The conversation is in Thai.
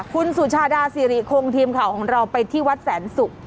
คุณสุชาดาสิริคงทีมข่าวของเราไปที่วัดแสนศุกร์